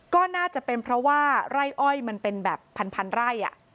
ก็น่าจะเป็นเพราะว่าไร่อ้อยมันเป็นแบบพันไร่